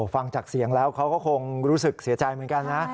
ฟังจากเสียงแล้วเขาก็คงรู้สึกเสียใจเหมือนกันนะ